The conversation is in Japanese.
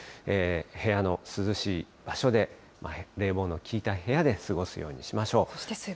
部屋の涼しい場所で、冷房の効いた部屋で過ごすようにしましょう。